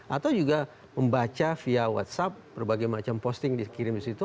atau juga membaca via whatsapp berbagai macam posting dikirim di situ